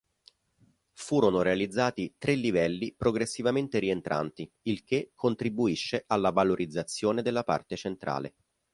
Furono realizzati tre livelli progressivamente rientranti, il che contribuisce alla valorizzazione della parte centrale.